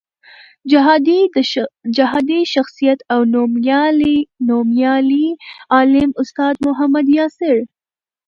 جهادي شخصیت او نومیالی عالم استاد محمد یاسر